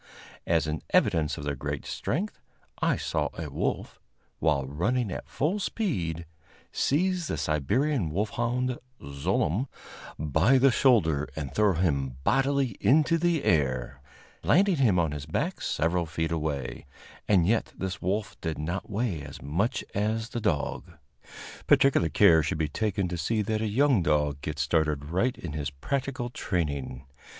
As an evidence of their great strength, I saw a wolf, while running at full speed, seize the Siberian wolfhound Zlooem by the shoulder and throw him bodily into the air, landing him on his back several feet away, and yet this wolf did not weigh as much as the dog. Particular care should be taken to see that a young dog gets started right in his practical training.